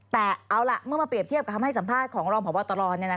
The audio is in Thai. แต่เอาล่ะเมื่อมาเปรียบเทียบกับคำให้สัมภาษณ์ของรองพบตร